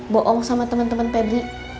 bokong sama temen temen pebli